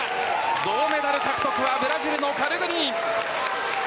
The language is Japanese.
銅メダル獲得はブラジルのカルグニン。